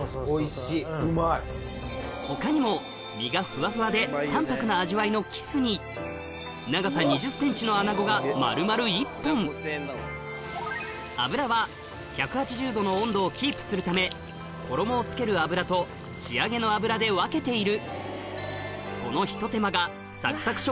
他にも身がふわふわで淡泊な味わいのキスに長さ２０ｃｍのアナゴが丸々１本するため衣を付ける油と仕上げの油で分けている